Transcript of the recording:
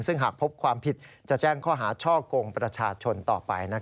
ซึ่งหากพบความผิดจะแจ้งข้อหาช่อกงประชาชนต่อไป